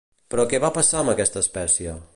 Però què va passar amb aquesta espècie?